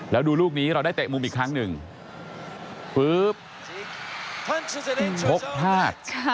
แล้วดูลูกนี้เราได้เตะมุมอีกครั้งหนึ่งปุ๊บชกพลาด